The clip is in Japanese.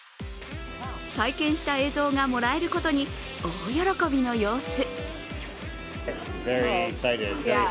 体験した映像がもらえることに大喜びの様子。